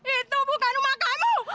itu bukan rumah kamu